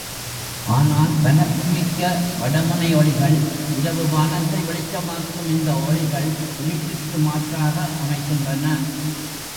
ஆனால், வனப்புமிக்க வடமுனை ஒளிகள் இரவு வானத்தை வெளிச்சமாக்கும் இந்த ஒளிகள் இருட்டுக்கு மாற்றாக அமைகின்றன.